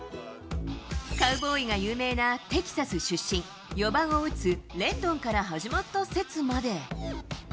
カウボーイが有名なテキサス出身、４番を打つレンドンから始まった説まで。